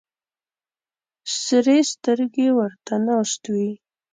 سرې سترګې ورته ناست وي.